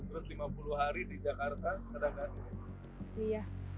terus lima puluh hari di jakarta kadang kadang